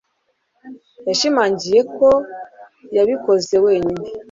Yashimangiye ko yabikoze wenyine